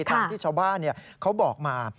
ตามที่ชาวบ้านเขาบอกมา